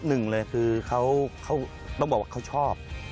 หนึ่งเลยคือเขาต้องบอกว่าเขาชอบ